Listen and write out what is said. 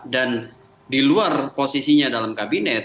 dan di luar posisinya dalam kabinet